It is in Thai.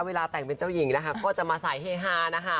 เวลาแต่งเป็นเจ้าหญิงนะคะก็จะมาสายเฮฮานะคะ